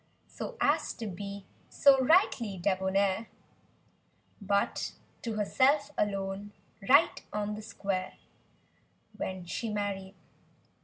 So as to be so rightly debonair But to herself alone, right on the square— When she married.